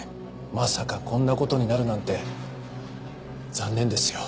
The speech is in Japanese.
まさかこんな事になるなんて残念ですよ。